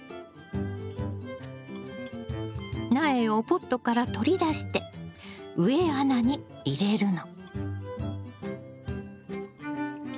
苗をポットから取り出して植え穴に入れるの。